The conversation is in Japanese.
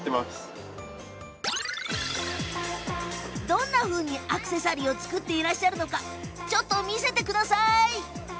どんなふうにアクセサリーを作っているのかちょっと見せてください。